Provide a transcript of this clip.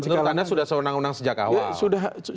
jadi penurutannya sudah seunang unang sejak awal